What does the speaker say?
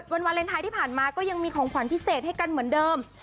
วันวาเลนไทยที่ผ่านมาก็ยังมีของขวัญพิเศษให้กันเหมือนเดิม